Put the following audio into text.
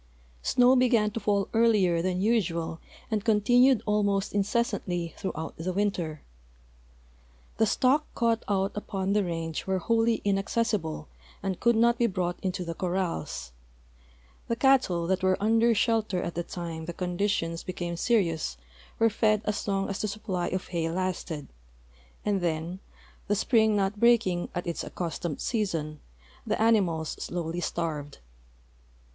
Snow began to fall earlier than usual and continued almost incessantly throughout the winter. 'Fhe stock caught out U})on the range were wholly inaccessible and could not be brought into the cor rals. 'fhe cattle that were under shelter at the time the condi tions became serious were fed as long as the supply of hay lasted, and then, the spring not breaking at its accustomed season, the animals slowly starved.